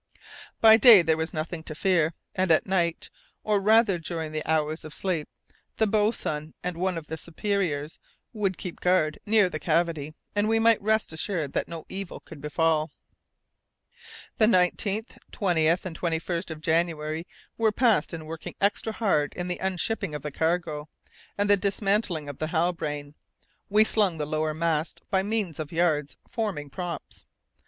By day there was nothing to fear, and at night, or rather during the hours of sleep, the boatswain and one of the superiors would keep guard near the cavity, and we might rest assured that no evil could befall. The 19th, 20th, and 21st of January were passed in working extra hard in the unshipping of the cargo and the dismantling of the Halbrane. We slung the lower masts by means of yards forming props.